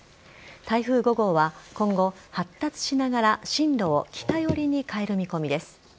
台風５号は今後、発達しながら進路を北寄りに変える見込みです。